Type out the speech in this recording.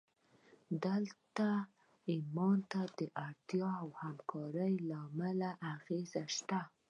دلته ایمان ته د اړتیا او همکارۍ له امله اغېز شته